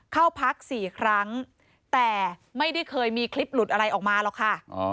เข้าพัก๔ครั้งแต่ไม่ได้เคยมีคลิปหลุดอะไรออกมาหรอกค่ะ